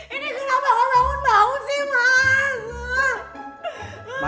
ini kenapa gak bangun bangun sih mak